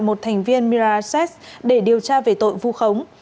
một thành viên miracess để điều tra về tội phu khống